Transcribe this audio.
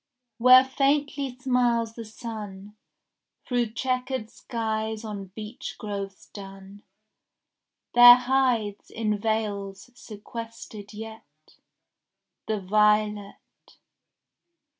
Where faintly smiles the sun Through chequered skies on beech groves dun, There hides in vales sequestered yet The violet.